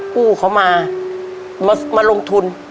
กูเขามาลงทุน